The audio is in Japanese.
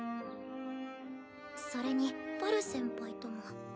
それにバル先輩とも。